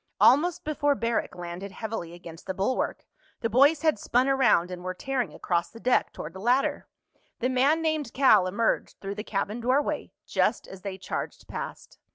Almost before Barrack landed heavily against the bulwark, the boys had spun around and were tearing across the deck toward the ladder. The man named Cal emerged through the cabin doorway just as they charged past.